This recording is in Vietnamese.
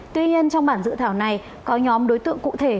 tuy nhiên trong bản dự thảo này có nhóm đối tượng cụ thể